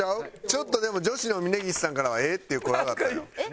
ちょっとでも女子の峯岸さんからは「ええー！」っていう声上がったよ。